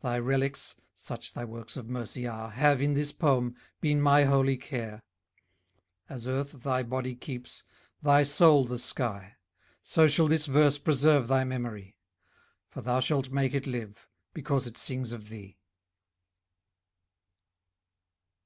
Thy relics, (such thy works of mercy are) Have, in this poem, been my holy care. As earth thy body keeps, thy soul the sky, } So shall this verse preserve thy memory; } For thou shalt make it live, because it sings of thee.